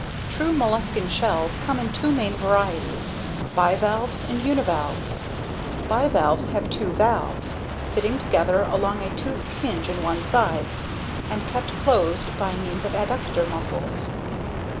True molluscan shells come in two main varieties: BIVALVES and UNIVALVES. Bivalves have two valves, fitting together along a toothed hinge on one side, and kept closed by means of ADDUCTOR MUSCLES.